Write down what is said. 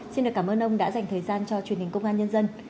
xin được cảm ơn ông đã dành thời gian cho truyền hình công an nhân dân